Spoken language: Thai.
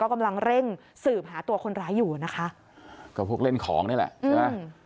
กำลังเร่งสืบหาตัวคนร้ายอยู่นะคะก็พวกเล่นของนี่แหละใช่ไหม